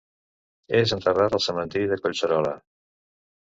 És enterrat al Cementiri de Collserola.